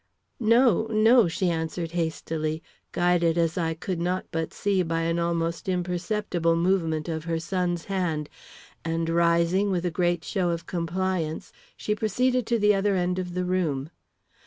"No, no," she answered hastily, guided as I could not but see by an almost imperceptible movement of her son's hand; and rising with a great show of compliance, she proceeded to the other end of the room.